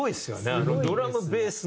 あのドラムベースの圧。